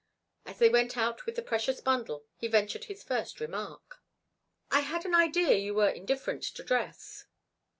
As they went out with the precious bundle he ventured his first remark. "I had an idea you were indifferent to dress."